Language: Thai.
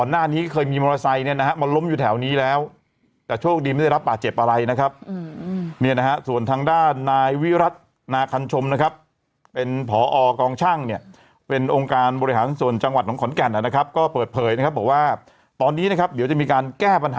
นั่งมอเตอร์ไซค์ยังไงให้เหมือนขี่ม้า